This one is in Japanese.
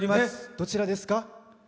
どちらですか？